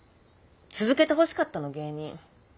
続けてほしかったの芸人。